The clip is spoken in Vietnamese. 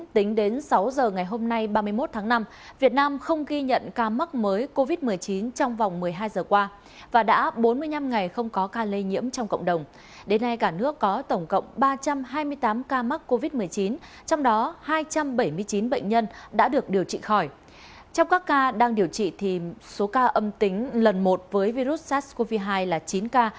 trong các ca đang điều trị thì số ca âm tính lần một với virus sars cov hai là chín ca